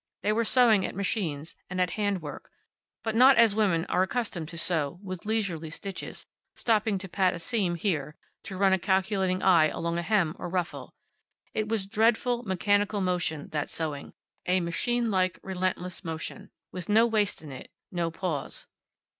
They were sewing at machines, and at hand work, but not as women are accustomed to sew, with leisurely stitches, stopping to pat a seam here, to run a calculating eye along hem or ruffle. It was a dreadful, mechanical motion, that sewing, a machine like, relentless motion, with no waste in it, no pause.